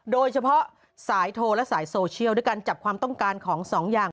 โดยเฉพาะสายโทรและสายโซเชียลด้วยการจับความต้องการของสองอย่าง